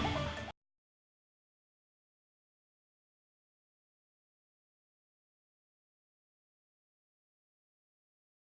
oke baik kita harus tutup blog yang kita buat